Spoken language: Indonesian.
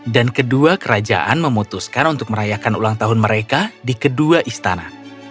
kedua kerajaan memutuskan untuk merayakan ulang tahun mereka di kedua istana